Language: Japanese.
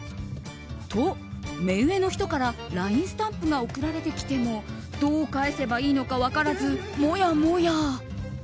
と、目上の人からＬＩＮＥスタンプが送られてきてもどう返せばいいのか分からずもやもや。